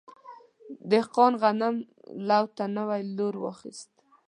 دهقان غنم لو ته نوی لور واخیست.